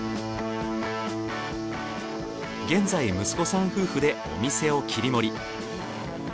現在息子さん夫婦でお店を切り盛り。